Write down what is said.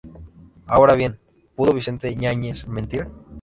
Ahora bien, ¿pudo Vicente Yáñez mentir?